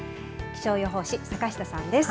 気象予報士、坂下さんです。